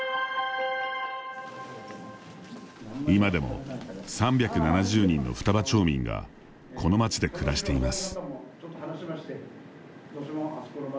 今でも、３７０人の双葉町民がこの町で暮らしています。